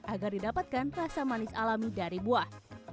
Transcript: agar didapatkan rasa manis alami dari buah